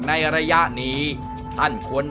ในระยะนี้ท่านควรนับมา